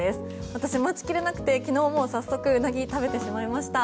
私、待ちきれなくて昨日早速ウナギを食べてしまいました。